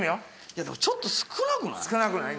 いやでもちょっと少なくない？